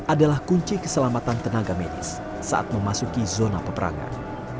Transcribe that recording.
adalah kunci keselamatan tenaga medis saat memasuki zona peperangan